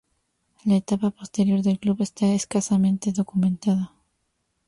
La etapa posterior del club está escasamente documentada.